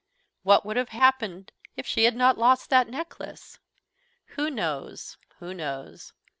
What would have happened if she had not lost that necklace? Who knows? who knows?